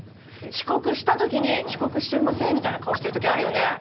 遅刻した時に「遅刻してません」みたいな顔してる時あるよね。